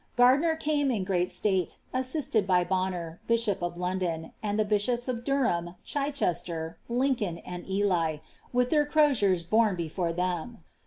Gardiner came in great stale, a sstsicd by Bonner, bishop of London, and the bishops of Durham, Chichester, IJncoln, and Ely, with ihetr crosiers borne before them.